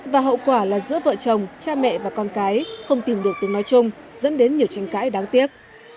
và hậu quả là giữa vợ chồng cha mẹ và con cái không tìm được từng nói chung dẫn đến nhiều tranh cãi đáng tiếc